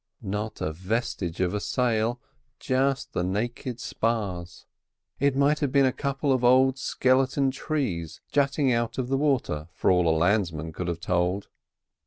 Not a vestige of sail, just the naked spars. It might have been a couple of old skeleton trees jutting out of the water for all a landsman could have told.